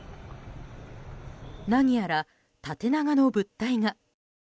何やら、縦長の物体が。